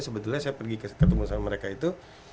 sebetulnya saya pergi ketemu sama mereka itu